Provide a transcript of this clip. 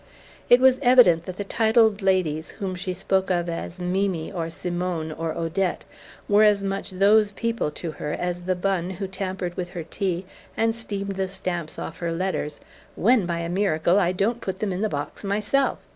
It was evident that the titled ladies whom she spoke of as Mimi or Simone or Odette were as much "those people" to her as the bonne who tampered with her tea and steamed the stamps off her letters ("when, by a miracle, I don't put them in the box myself.")